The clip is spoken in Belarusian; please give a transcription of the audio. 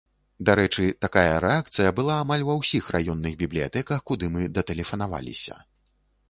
Дарэчы, такая рэакцыя была амаль ва ўсіх раённых бібліятэках, куды мы датэлефанаваліся.